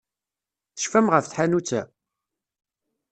Tecfam ɣef tḥanut-a?